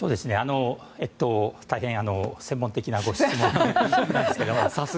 大変専門的なご質問ですね。